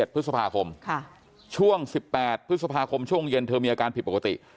พฤษภาคมช่วง๑๘พฤษภาคมช่วงเย็นเธอมีอาการผิดปกติ